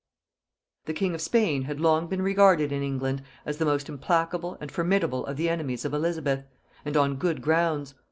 ] The king of Spain had long been regarded in England as the most implacable and formidable of the enemies of Elizabeth; and on good grounds.